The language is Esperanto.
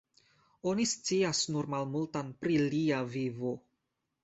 Oni scias nur malmultan pri lia vivo.